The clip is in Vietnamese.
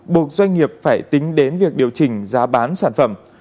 buộc doanh nghiệp phải tính đến việc điều chỉnh giá bán sản phẩm